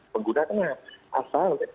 pengguna kena asal